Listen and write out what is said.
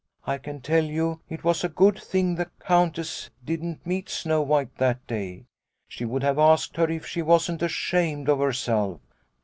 I can tell you it was a good thing the Countess didn't meet Snow White that day. She would have asked her if she wasn't ashamed of herself.